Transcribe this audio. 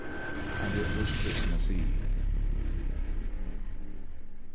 And it was Christmas eve.